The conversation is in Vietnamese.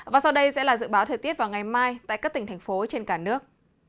và sau đây sẽ là dự báo thời tiết vào ngày mai tại các tỉnh thành phố trên cả nước